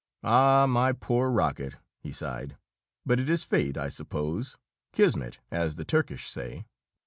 "Ah, my poor rocket!" he sighed. "But it is fate, I suppose; Kismet, as the Turkish say.